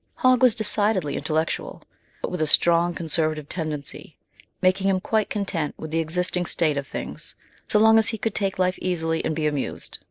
Hogg was decidedly intellectual, but with a strong conservative tendency, making him quite content with the existing state of things so long as he could take life easily and be amused.